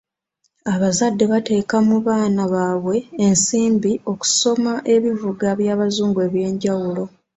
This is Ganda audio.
Abazadde bateekamu baana baabwe ensimbi okusoma ebivuga by'abazungu eby'enjawulo.